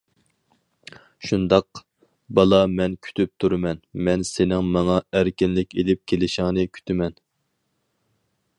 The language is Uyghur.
شۇنداق،« بالا»، مەن كۈتۈپ تۇرىمەن، مەن سېنىڭ ماڭا ئەركىنلىك ئېلىپ كېلىشىڭنى كۈتىمەن.